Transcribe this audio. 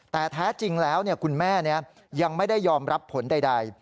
แต่แท้จริงแล้วคุณแม่ยังไม่ได้ยอมรับผลใด